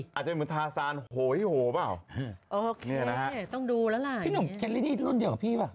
อาจจะเป็นเหมือนทาสารโหยโหป่าวอืมโอเคต้องดูแล้วล่ะพี่หนุ่มแคลรี่นี่รุ่นเดียวกับพี่ป่ะ